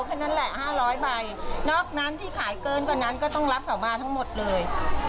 แค่นั้นแหละ๕๐๐ใบนอกนั้นที่ขายเกินกว่านั้นก็ต้องรับเขามาทั้งหมดเลย